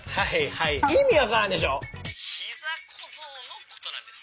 「膝小僧のことなんです。